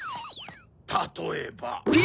たとえば。